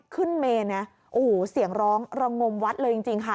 เมนนะโอ้โหเสียงร้องระงมวัดเลยจริงจริงค่ะ